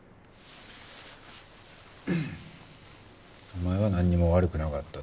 お前はなんにも悪くなかった。